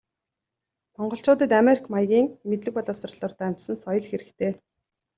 Монголчуудад америк маягийн мэдлэг боловсролоор дамжсан соёл хэрэгтэй.